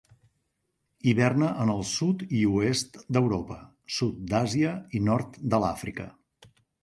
Hiverna en el sud i oest d'Europa, sud d'Àsia i nord de l'Àfrica.